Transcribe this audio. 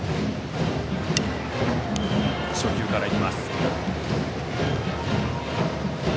初球からいきました。